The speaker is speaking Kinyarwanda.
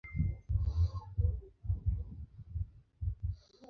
nayisimbukanye impirita ndi inyamaswa y’imico myiza